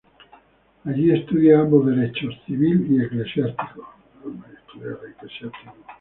Allí estudia ambos derechos, civil y eclesiástico.